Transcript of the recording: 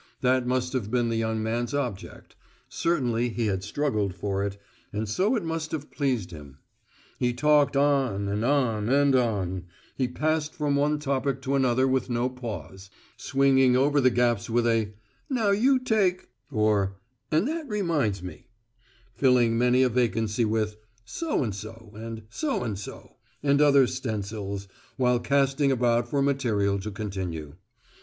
That must have been the young man's object; certainly he had struggled for it; and so it must have pleased him. He talked on and on and on; he passed from one topic to another with no pause; swinging over the gaps with a "Now you take," or, "And that reminds me," filling many a vacancy with "So and so and so and so," and other stencils, while casting about for material to continue.